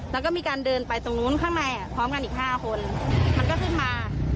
แล้วก็มีการเดินไปตรงนู้นข้างในพร้อมกันอีก๕คนมันก็ขึ้นมา